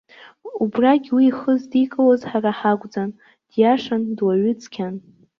Убрагь уи ихы здикылоз ҳара ҳакәӡан, диашан, дуаҩы цқьан.